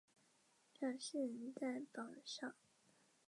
表示仍在榜上